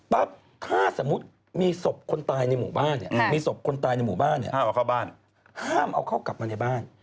ปั๊บถ้าสมมติมีศพคนตายในหมู่บ้านห้ามเอาเข้ากลับมาในบ้าน